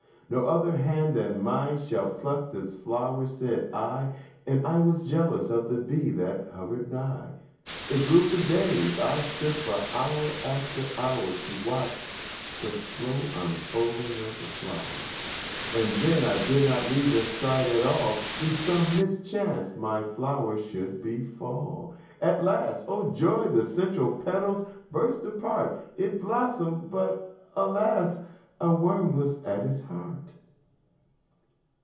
No other hand than mine shall pluck this flower, said I, And I was jealous of the bee that hovered nigh. It grew for days; I stood hour after hour To watch the slow unfolding of the flower, And then I did not leave its side at all, Lest some mischance my flower should befall. At last, oh joy! the central petals burst apart. It blossomed but, alas! a worm was at its heart!